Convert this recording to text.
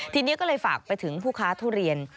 ทีนี้ก็เลยฝากไปถึงผู้ค้าทุเรียน